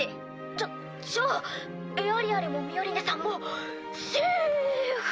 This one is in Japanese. じゃじゃあエアリアルもミオリネさんもセーフ。